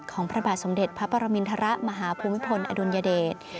พระบาทสมเด็จพระปรมินทรมาหาภูมิพลอดุลยเดช